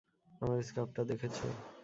আমার স্কার্ফটা দেখেছ?